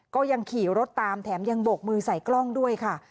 ก็ยังขี่รถตามแถมยังโบกมือใส่กล้องด้วยค่ะ